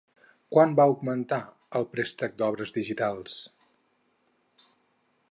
Quant va augmentar el préstec d'obres digitals?